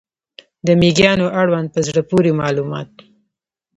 د مېږیانو اړوند په زړه پورې معلومات